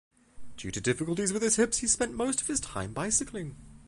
Due to difficulties with his hips he spent most of his time bicycling.